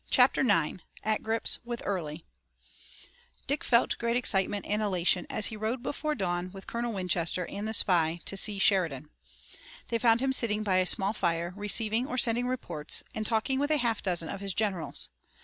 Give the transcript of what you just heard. CHAPTER IX AT GRIPS WITH EARLY Dick felt great excitement and elation as he rode before dawn with Colonel Winchester and the spy to see Sheridan. They found him sitting by a small fire receiving or sending reports, and talking with a half dozen of his generals.